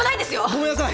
ごめんなさい！